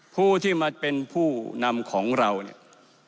ผู้ที่มาเป็นผู้นำของเราเนี่ย